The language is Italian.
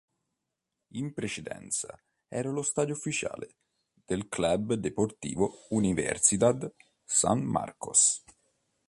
In precedenza, era lo stadio ufficiale del Club Deportivo Universidad San Marcos.